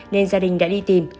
nên gia đình đã đi tìm